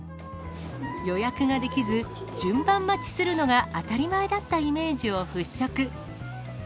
予約ができず、順番待ちするのが当たり前だったイメージを払拭。